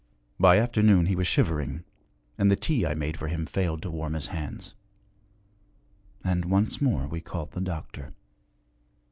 By afternoon he was shivering, and the tea I made for him failed to warm his hands. And once more we called the doctor.